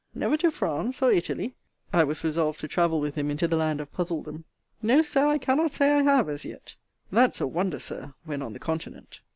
Never to France or Italy? I was resolved to travel with him into the land of puzzledom. No, Sir, I cannot say I have, as yet. That's a wonder, Sir, when on the continent!